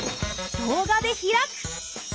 動画でひらく！